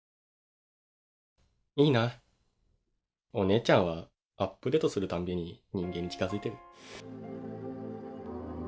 いいな、お姉ちゃんはアップデ―トするたんびに人間に近づいて。